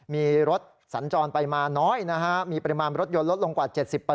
มีรถสัญจรไปมาน้อยนะฮะมีปริมาณรถยนต์ลดลงกว่า๗๐